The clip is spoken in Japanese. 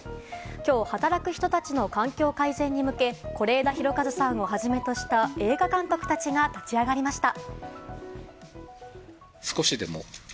今日、働く人たちの環境改善に向け是枝裕和さんをはじめとした映画監督さんたちが立ち上がりました。